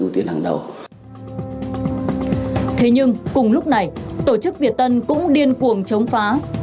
thế nhưng cùng lúc này tổ chức việt tân cũng điên cuồng chống phá